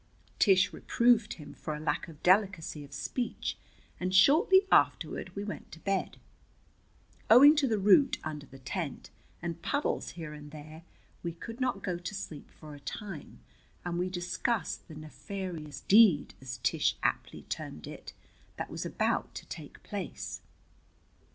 Tish reproved him for a lack of delicacy of speech, and shortly afterward we went to bed. Owing to the root under the tent, and puddles here and there, we could not go to sleep for a time, and we discussed the "nefarious deed," as Tish aptly termed it, that was about to take place.